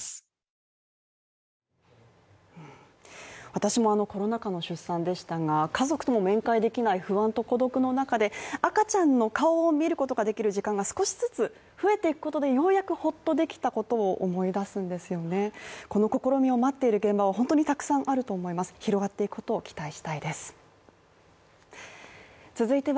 私もコロナ禍の出産でしたが家族と面会できない不安と孤独の中で赤ちゃんの顔を見ることができる時間が少しずつ増えていくことでようやくほっとできたことを思い出すんですよね、この試みを待っている現場を本当にたくさんあると思います広がっていくことを期待したいです。